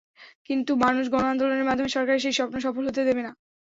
কিন্তু মানুষ গণ-আন্দোলনের মাধ্যমে সরকারের সেই স্বপ্ন সফল হতে দেবে না।